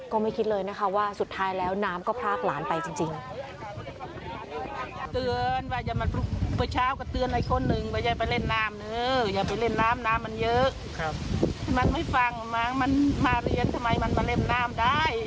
ก็ไม่คิดเลยนะคะว่าสุดท้ายแล้วน้ำก็พรากหลานไปจริง